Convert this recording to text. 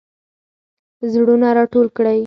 زړونه راټول کړئ.